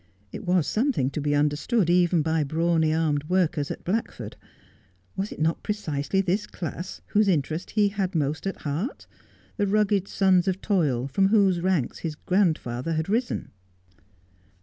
It was something to be understood even by brawny armed workers at Blackford. "Was it not precisely this class whose interest he had most at heart, the rugged sons of toil, from whose ranks his grandfather had risen